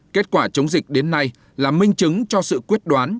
kết quả chống dịch đến nay là minh chứng cho sự quyết đoán